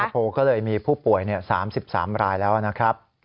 โพลก็เลยมีผู้ป่วย๓๓รายแล้วนะครับ